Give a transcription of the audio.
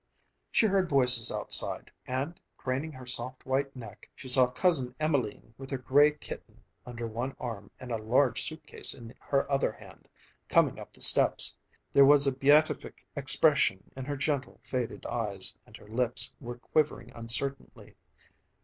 She heard voices outside and craning her soft white neck, she saw Cousin Emelene, with her gray kitten under one arm and a large suitcase in her other hand, coming up the steps. There was a beatific expression in her gentle, faded eyes, and her lips were quivering uncertainly.